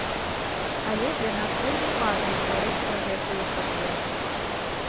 Але для нас вельмі важна гаварыць пра гэтую праблему.